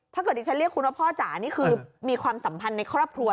ถ้าเกิดดิฉันเรียกคุณว่าพ่อจ๋านี่คือมีความสัมพันธ์ในครอบครัว